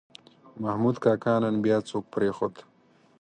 محمود کاکا نن بیا څوک پرېښود.